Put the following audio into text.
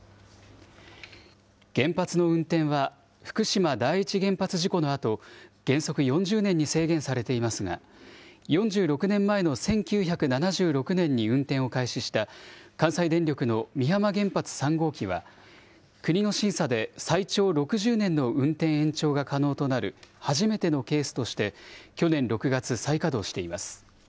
原発の運転は、福島第一原発事故のあと、原則４０年に制限されていますが、４６年前の１９７６年に運転を開始した、関西電力の美浜原発３号機は、国の審査で最長６０年の運転延長が可能となる、初めてのケースとして去年６月、再稼働しています。